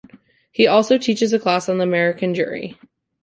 He also teaches a class on the American Jury.